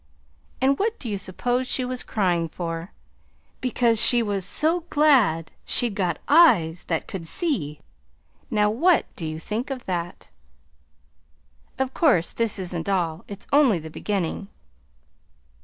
And what do you suppose she was crying for? Because she was so glad she'd got eyes that could see! Now what do you think of that? "Of course this isn't all. It's only the beginning.